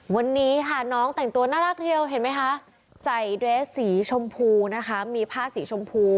วันนี้ค่ะน้องแต่งตัวน่ารักเดียวเห็นไหมคะใส่เดรสสีชมพูนะคะมีผ้าสีชมพู